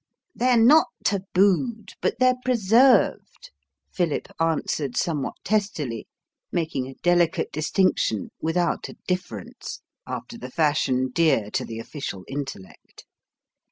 "They're not tabooed, but they're preserved," Philip answered somewhat testily, making a delicate distinction without a difference, after the fashion dear to the official intellect.